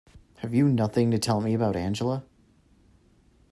Have you nothing to tell me about Angela?